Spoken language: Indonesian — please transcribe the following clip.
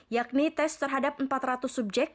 yakni tes terhadap empat ratus subjek